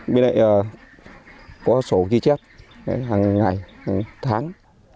bên này có sổ ghi chép hàng ngày hàng tháng